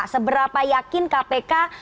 seberapa yakin kpk